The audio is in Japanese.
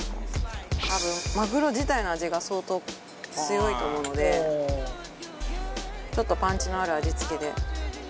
多分、マグロ自体の味が相当強いと思うのでちょっとパンチのある味付けで。